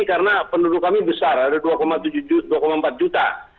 karena penduduk kami besar ada dua tujuh juta dua empat juta